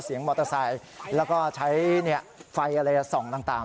มอเตอร์ไซค์แล้วก็ใช้ไฟอะไรส่องต่าง